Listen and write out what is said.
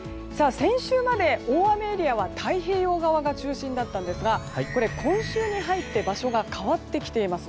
先週まで大雨エリアは太平洋側が中心だったんですがこれ、今週に入って場所が変わってきています。